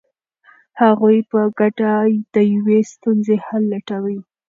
هغوی په ګډه د یوې ستونزې حل لټوي.